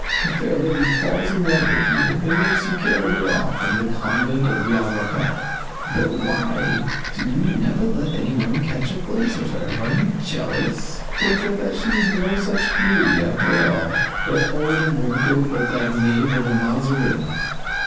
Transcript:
A fair lady falls in love with you and makes you carry her off from the convent of La Raquette. But why do you never let anyone catch a glimpse of her? Are you jealous? Or is it that she is no such beauty, after all, but old and wrinkled, like that knave of a Mazarin?"